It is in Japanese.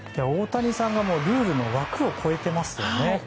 大谷さんがルールの枠を超えてますよね。